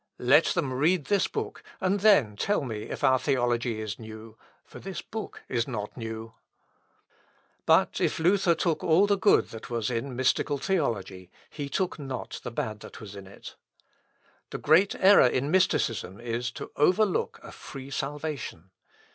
Let them read this book, and then tell me if our theology is new; for this book is not new." But if Luther took all the good that was in mystical theology, he took not the bad that was in it. The great error in mysticism is, to overlook a free salvation.